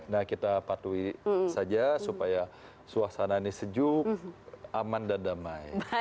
nah kita patuhi saja supaya suasana ini sejuk aman dan damai